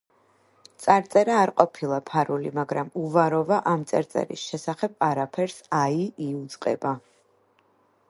წარწერა არ ყოფილა ფარული, მაგრამ უვაროვა ამ წარწერის შესახებ არაფერს აი იუწყება.